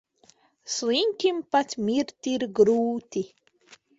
Sliņķim pat mirt ir grūti.